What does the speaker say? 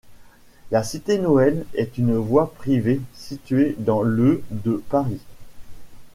La cité Noël est une voie privée située dans le de Paris.